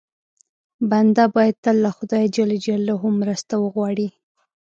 بنده باید تل له خدای ج مرسته وغواړي.